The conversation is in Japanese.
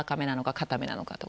硬めなのかとか。